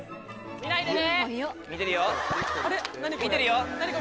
見ないでね！